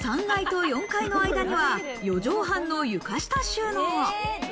３階と４階の間には４畳半の床下収納。